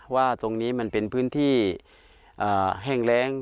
ว่าตรงนี้มันเป็นพื้นที่แห้งแรง